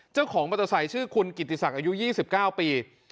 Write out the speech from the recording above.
เจ้าของมอเตอร์ไซค์ชื่อคุณกิติศักดิ์อายุ๒๙ปี